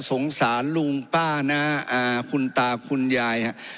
สงสารลุงป้านะคุณตาคุณยายฮะ